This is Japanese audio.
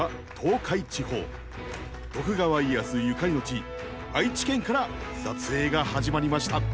徳川家康ゆかりの地愛知県から撮影が始まりました。